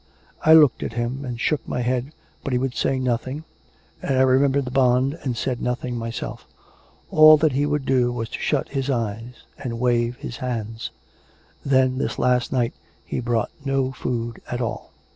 I looked at him and shook my head, but he would say nothing, and I remembered the bond and said nothing myself. All that he would do was to shut his eyes and wave his hands. Then this last night he brought no food at all.